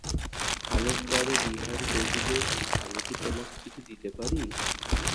খানিক বাদে বিহারী কহিল, আমি কি তোমাকে কিছু দিতে পারিব না।